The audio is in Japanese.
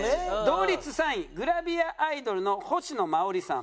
同率３位グラビアアイドルの星乃まおりさん。